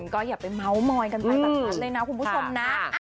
ก็อย่าไปเม้ามอยกันไปต่างด้วยนะคุณผู้ชมนะ